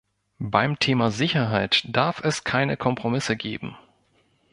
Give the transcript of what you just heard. Beim Thema Sicherheit darf es keine Kompromisse geben.